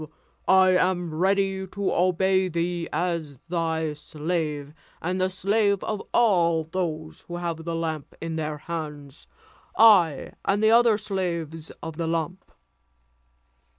I am ready to obey thee as thy slave, and the slave of all those who have that lamp in their hands; I and the other slaves of the lamp."